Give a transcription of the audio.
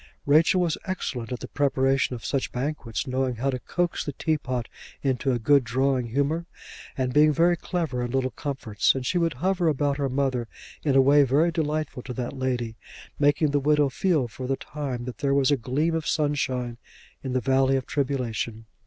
Rachel was excellent at the preparation of such banquets, knowing how to coax the teapot into a good drawing humour, and being very clever in little comforts; and she would hover about her mother, in a way very delightful to that lady, making the widow feel for the time that there was a gleam of sunshine in the valley of tribulation.